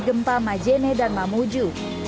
gempa majene dan mamuju